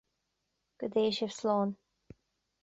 Go dté sibh slán